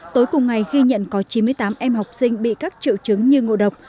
tối cùng ngày khi nhận có chín mươi tám em học sinh bị các triệu chứng như ngộ độc